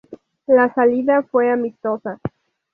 La salida fue amistosa.